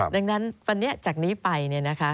ดังนั้นวันนี้จากนี้ไปเนี่ยนะคะ